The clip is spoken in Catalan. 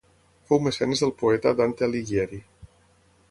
Fou mecenes del poeta Dante Alighieri.